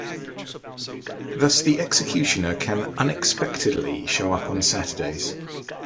Thus, the executioner can “unexpectedly” show up on Saturdays.